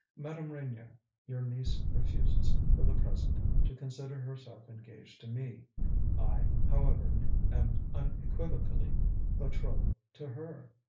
"Madame Reynier, your niece refuses, for the present, to consider herself engaged to me; I, however, am unequivocally betrothed to her.